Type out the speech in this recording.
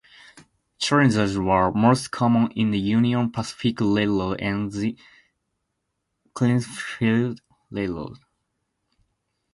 Challengers were most common in the Union Pacific Railroad and the Clinchfield Railroad.